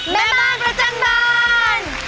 แม่บ้านประจำบาน